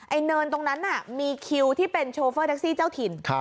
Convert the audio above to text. เนินตรงนั้นน่ะมีคิวที่เป็นโชเฟอร์แท็กซี่เจ้าถิ่น